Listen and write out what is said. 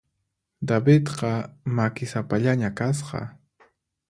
Davidqa makisapallaña kasqa.